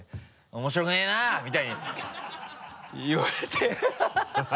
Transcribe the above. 「面白くねぇな！」みたいに言われて